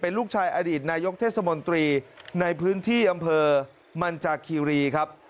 ลูกชายอดีตนายกเทศมนตรีในพื้นที่อำเภอมันจากคีรีครับ